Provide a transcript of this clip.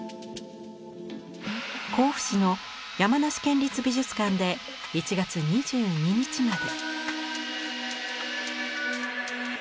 甲府市の山梨県立美術館で１月２２日まで。